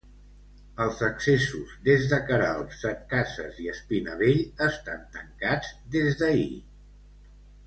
Els accessos des de Queralbs, Setcases i Espinavell estan tancats des d'ahir.